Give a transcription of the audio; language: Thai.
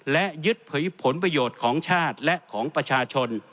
และยึดผลประโยชน์ของชาติและของประชาชน